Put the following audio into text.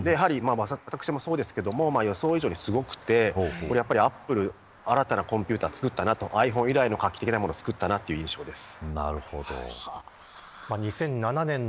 私もそうですけど予想以上にすごくてアップルは新たなコンピューター作ったなと、ｉＰｈｏｎｅ以来の画期的なものを作ったという印象です。